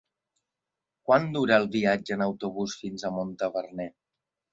Quant dura el viatge en autobús fins a Montaverner?